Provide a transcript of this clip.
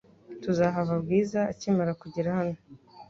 Tuzahava Bwiza akimara kugera hano .